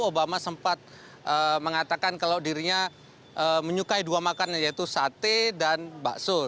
obama sempat mengatakan kalau dirinya menyukai dua makanan yaitu sate dan bakso